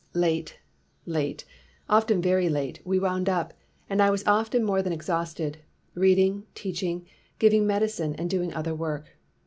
Late, late, often very late, we wound up, and I was often more than exhausted — reading, teaching, giving medi cine, and doing other work.